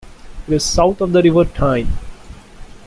It is south of the river Tyne.